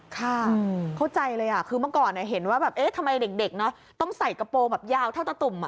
เข้าใจเลยคือเมื่อก่อนเห็นว่าแบบเอ๊ะทำไมเด็กเนอะต้องใส่กระโปรงแบบยาวเท่าตะตุ่ม